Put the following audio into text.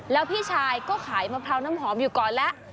แล้วพี่ชายก็ขายมะพร้าวน้ำหอมอยู่ก่อนแล้ว